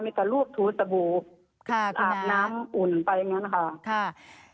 มีแต่รูปถูกสบู่ค่ะคุณน้าอาบน้ำอุ่นไปอย่างงั้นค่ะค่ะ